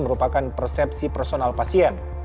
merupakan persepsi personal pasien